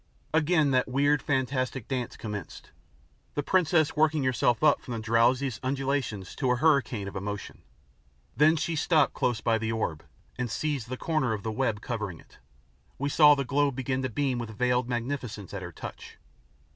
Again that weird, fantastic dance commenced, the princess working herself up from the drowsiest undulations to a hurricane of emotion. Then she stopped close by the orb, and seized the corner of the web covering it. We saw the globe begin to beam with veiled magnificence at her touch.